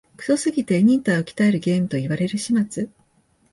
クソすぎて忍耐を鍛えるゲームと言われる始末